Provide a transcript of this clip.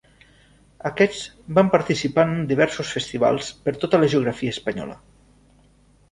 Aquests van participar en diversos festivals per tota la geografia espanyola.